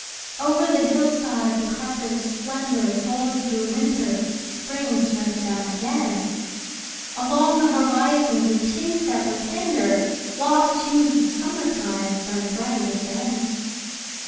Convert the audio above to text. Over the hillside the carpet of splendour, Folded through Winter, Spring spreads down again; Along the horizon, the tints that were tender, Lost hues of Summer time, burn bright as then.